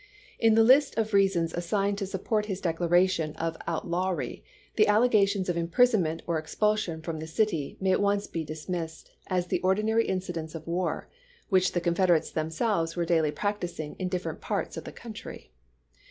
In the list of reasons assigned to support his declaration of outlawry the allegations of imprisonment or expulsion from the city may be at once dismissed as the ordinary incidents of war, which the Confederates themselves were daily practising in different parts of the country.